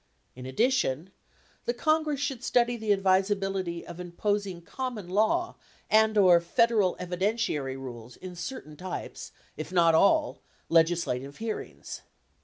In addition, the Congress should study the advisability of imposing common law and/or Federal evi dentiary rules in certain types, if not all, legislative hearings.